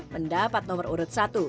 mendapat nomor urut satu